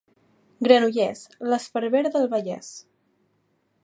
Granollers, l'esparver del Vallès.